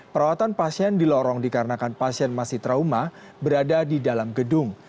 perawatan pasien di lorong dikarenakan pasien masih trauma berada di dalam gedung